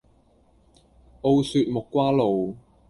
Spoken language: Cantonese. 澳雪木瓜露